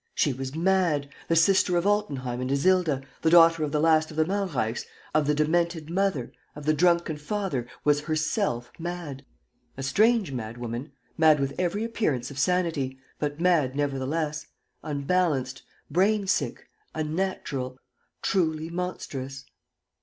She was mad. The sister of Altenheim and Isilda, the daughter of the last of the Malreichs, of the demented mother, of the drunken father, was herself mad. A strange madwoman, mad with every appearance of sanity, but mad nevertheless, unbalanced, brain sick, unnatural, truly monstrous.